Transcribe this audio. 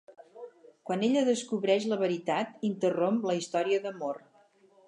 Quan ella descobreix la veritat interromp la història d'amor.